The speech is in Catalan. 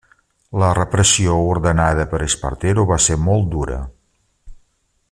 La repressió ordenada per Espartero va ser molt dura.